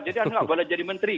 jadi anda gak boleh jadi menteri